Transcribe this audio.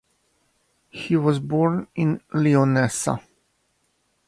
He was born in Leonessa.